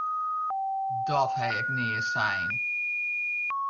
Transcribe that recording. Dat ha ik nea sein!